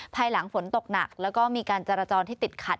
ภายหลังฝนตกหนักแล้วก็มีการจรจรที่ติดขัด